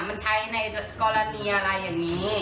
มันใช้ในกรณีอะไรอย่างนี้